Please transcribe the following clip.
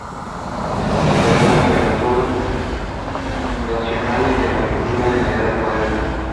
Es considerada una de las obras fundacionales de la pintura en la Edad Moderna.